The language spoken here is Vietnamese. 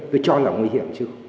tôi cho là nguy hiểm chứ